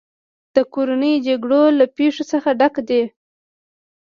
د کورنیو جګړو له پېښو څخه ډک دی.